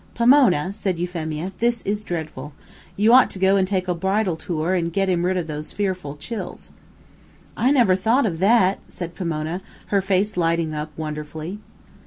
"Pomona," said Euphemia, "this is dreadful. You ought to go and take a bridal tour and get him rid of those fearful chills." "I never thought of that," said Pomona, her face lighting up wonderfully.